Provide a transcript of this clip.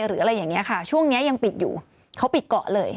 หรืออะไรอย่างนี้ค่ะช่วงนี้ยังปิดอยู่เขาปิดเกาะเลย